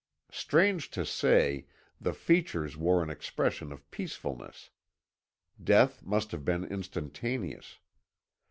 Strange to say, the features wore an expression of peacefulness. Death must have been instantaneous.